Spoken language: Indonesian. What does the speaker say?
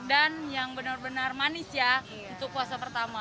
dan yang benar benar manis ya untuk puasa pertama